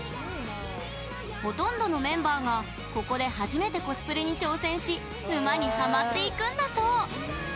ほとんどのメンバーがここで初めてコスプレに挑戦し沼にハマっていくんだそう。